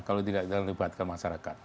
kalau tidak kita lebatkan masyarakat